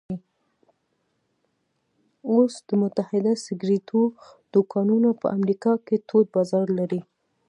اوس د متحده سګرېټو دوکانونه په امریکا کې تود بازار لري